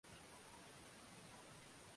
alitaka kufahamu nini madhumuni